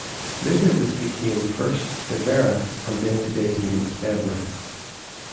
Later this became first "Bibera", and then today's name Bebra.